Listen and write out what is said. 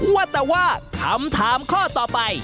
ว่าแต่ว่าคำถามข้อต่อไป